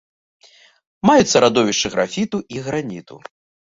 Маюцца радовішчы графіту і граніту.